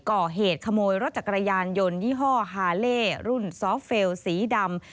ก่อเหตุขโมยรถจักรยานยนต์ยี่ห้อฮาเล่รุ่นซอฟเฟลสีดำ